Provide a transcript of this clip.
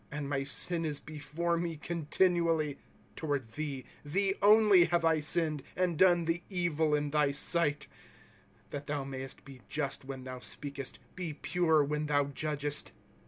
And my sin is before me continually. * Toward thee, thee only, have I sinned. And done the evil in thy sight ; That thou mayest be just wlien thou speakest, Bo pure when thou judgest.